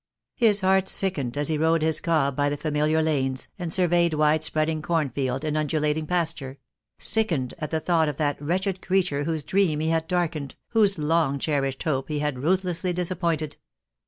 His heart sickened as he rode his cob by the familiar lanes, and surveyed wide spreading corn field and undulating pasture — sickened at the thought of that wretched creature whose dream he had darkened, whose long cherished hope he had ruth lessly disappointed.